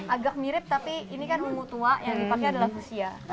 agak mirip tapi ini kan ungu tua yang dipakai adalah usia